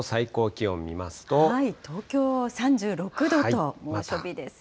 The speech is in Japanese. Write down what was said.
東京３６度と、猛暑日ですね。